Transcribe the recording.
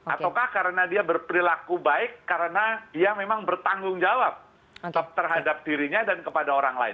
ataukah karena dia berperilaku baik karena dia memang bertanggung jawab terhadap dirinya dan kepada orang lain